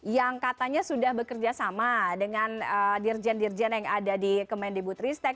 yang katanya sudah bekerja sama dengan dirjen dirjen yang ada di kemendikbutristek